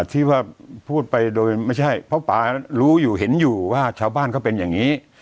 ที่ว่าพูดไปโดยไม่ใช่เพราะป่ารู้อยู่เห็นอยู่ว่าชาวบ้านเขาเป็นอย่างนี้